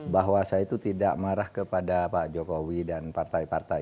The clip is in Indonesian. bahwa saya itu tidak marah kepada pak jokowi dan partai partai